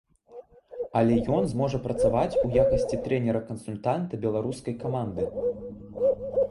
Але ён зможа працаваць у якасці трэнера-кансультанта беларускай каманды.